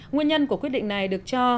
nguyên nhân của quyết định này được cho